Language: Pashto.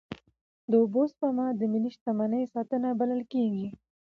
د اوبو سپما د ملي شتمنۍ ساتنه بلل کېږي.